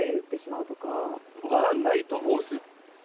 ないと思うんですよ。